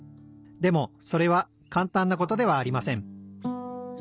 でもそれはかんたんなことではありません。